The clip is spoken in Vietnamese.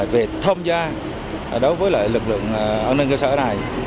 vì thông gia đối với lực lượng an ninh cơ sở này